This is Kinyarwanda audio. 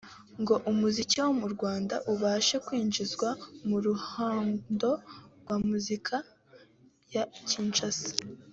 ngo umuziki wo mu Rwanda ubashe kwinjizwa mu ruhando rwa muzika ya Kinshasa